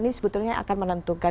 ini sebetulnya akan menentukan